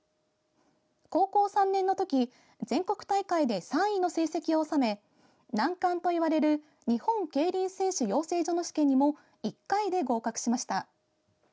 高校３年のとき全国大会で３位の成績を収め難関といわれる日本競輪選手養成所の試験にも１回で合格しました。